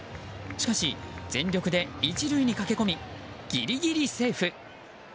しかし、全力で１塁に駆け込みギリギリセーフ。